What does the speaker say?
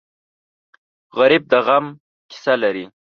غریب د غم قصه لري